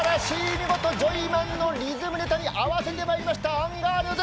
見事ジョイマンのリズムネタに合わせてまいりましたアンガールズ！